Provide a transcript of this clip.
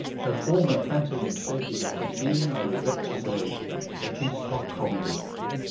Her former panting and shaking had been, I regret to say, a piece of comedy.